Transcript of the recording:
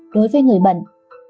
đối với người bệnh